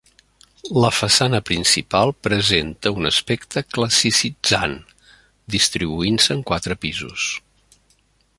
La façana principal presenta un aspecte classicitzant, distribuint-se en quatre pisos.